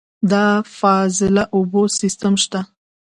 د فاضله اوبو سیستم شته؟